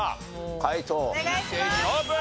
解答一斉にオープン！